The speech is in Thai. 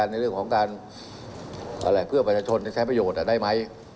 ในเรื่องของการเพื่อประชาชนจะใช้ประโยชน์ได้ไหม